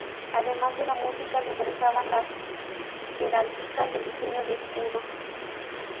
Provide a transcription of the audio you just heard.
Además de la música, le interesaban la heráldica y el diseño de escudos.